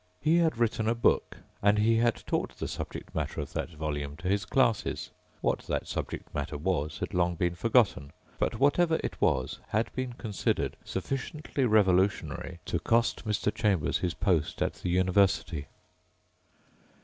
He had written a book, and he had taught the subject matter of that volume to his classes. What that subject matter was, had long been forgotten, but whatever it was had been considered sufficiently revolutionary to cost Mr. Chambers his post at the university.